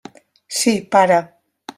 Sí, pare.